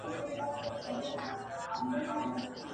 کله د ښوونځیو څخه ایستل غیر قانوني دي؟